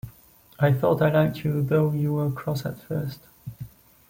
I thought I liked you, though you were cross at first.